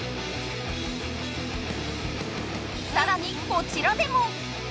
さらにこちらでも。